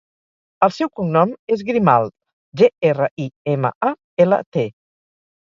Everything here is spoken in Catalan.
El seu cognom és Grimalt: ge, erra, i, ema, a, ela, te.